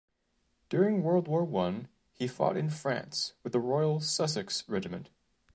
During World War One he fought in France with the Royal Sussex Regiment.